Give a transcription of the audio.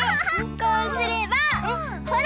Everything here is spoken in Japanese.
こうすればほら！